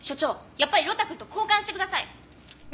やっぱり呂太くんと交換してください。